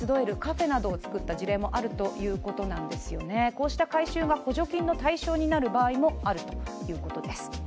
こうした改修が補助金の対象になる場合もあるということです。